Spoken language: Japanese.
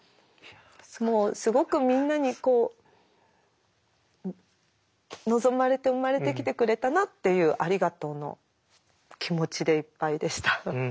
もうすごくみんなにこう望まれて生まれてきてくれたなっていうありがとうの気持ちでいっぱいでした。